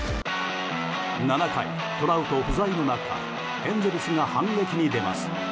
７回、トラウト不在の中エンゼルスが反撃に出ます。